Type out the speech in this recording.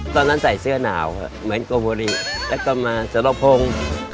ตอนนั้นใส่เสื้อหนาวเหมือนกลมบุรีแล้วก็มาสละพง